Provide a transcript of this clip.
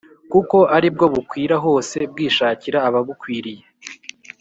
kuko ari bwo bukwira hose bwishakira ababukwiriye,